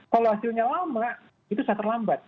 kalau hasilnya lama itu sudah terlambat